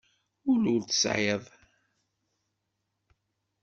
Ul ur t-tesεiḍ.